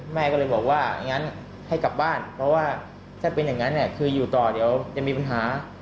แม่ก็เลยบอกว่าอย่างนั้นให้กลับบ้านเพราะว่าถ้าเป็นอย่างนั้นเนี่ยคืออยู่ต่อเดี๋ยวจะมีปัญหา